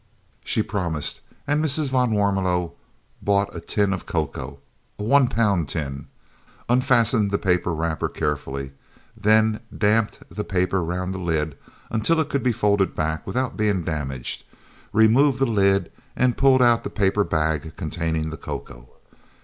She promised, and Mrs. van Warmelo bought a tin of cocoa, a one pound tin, unfastened the paper wrapper carefully, then damped the paper round the lid until it could be folded back without being damaged, removed the lid and pulled out the paper bag containing the cocoa.